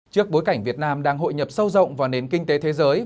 trước bối cảnh việt nam đang hội nhập sâu rộng vào nền kinh tế thế giới